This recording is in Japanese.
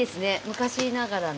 昔ながらの。